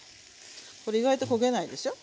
これ意外と焦げないでしょ？